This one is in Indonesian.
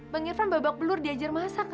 bang irfan babak belur diajar masa kak